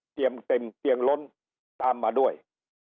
เต็มเตียงล้นตามมาด้วย